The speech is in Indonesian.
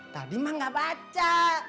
tadi emak gak baca